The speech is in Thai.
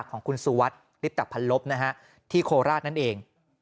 ของคุณสุวัสดิ์ลิปตะพันลบนะฮะที่โคราชนั่นเอง